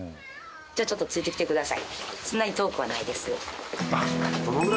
じゃあちょっとついてきてください。